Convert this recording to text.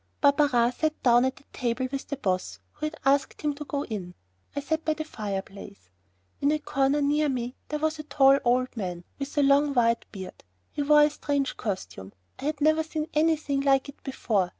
Barberin sat down at a table with the boss who had asked him to go in. I sat by the fireplace. In a corner near me there was a tall old man with a long white beard. He wore a strange costume. I had never seen anything like it before.